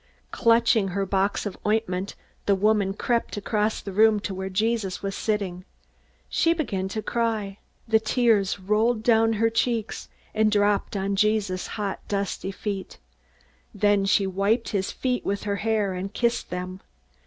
Clutching her box of ointment, the woman crept across the room to where Jesus was sitting. She began to cry. The tears rolled down her cheeks and dropped on Jesus' hot, dusty feet. Then she wiped his feet with her hair and kissed them.